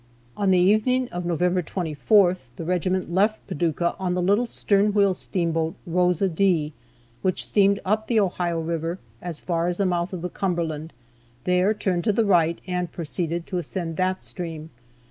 On the evening of November 24th the regiment left Paducah on the little stern wheel steamboat "Rosa D," which steamed up the Ohio river as far as the mouth of the Cumberland, there turned to the right, and proceeded to ascend that stream.